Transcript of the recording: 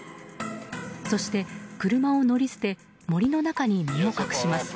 そして、車を乗り捨て森の中に身を隠します。